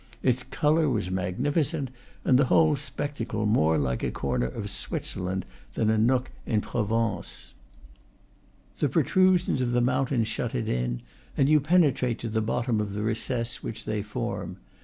Its color was magnificent, and the whole spectacle more like a corner of Switzerland than a nook in Provence. The protrusions of the mountain shut it in, and you penetrate to the bottom of the re cess which they form.